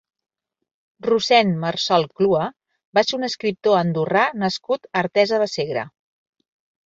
Rossend Marsol Clua va ser un escriptor andorrà nascut a Artesa de Segre.